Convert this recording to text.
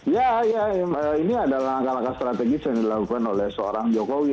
ya ini adalah langkah langkah strategis yang dilakukan oleh seorang jokowi